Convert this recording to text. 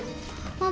aku mau beli